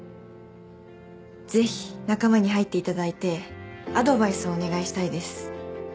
「ぜひ仲間に入っていただいてアドバイスをお願いしたいです」